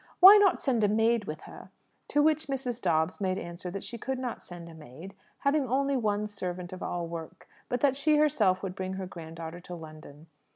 Why not send a maid with her?" To which Mrs. Dobbs made answer that she could not send a maid, having only one servant of all work, but that she herself would bring her grand daughter to London.